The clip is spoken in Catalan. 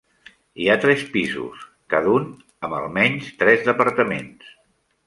Hi ha tres pisos, cada un amb almenys tres departaments.